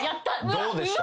どうでした？